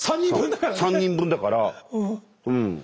３人分だからね。